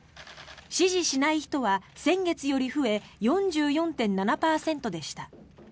支持しない人は先月より増え４４．７％でした。